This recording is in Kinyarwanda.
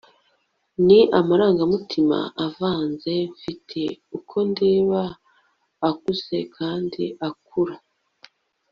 ni amarangamutima avanze mfite, uko ndeba akuze kandi akura